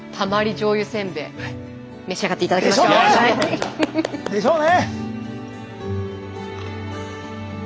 召し上がっていただきましょう。でしょうね！でしょうね！